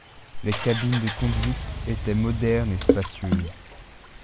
Les cabines de conduite étaient modernes et spacieuses.